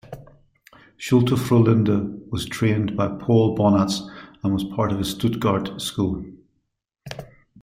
Schulte-Frohlinde was trained by Paul Bonatz and was part of his Stuttgart school.